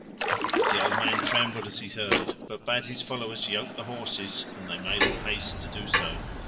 The old man trembled as he heard, but bade his followers yoke the horses, and they made all haste to do so.